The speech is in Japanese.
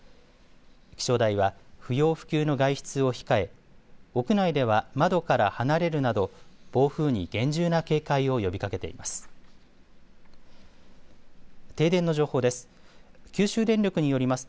気象台は不要不急の外出を控え屋内では窓から離れるなど暴風に厳重な警戒を呼びかけています。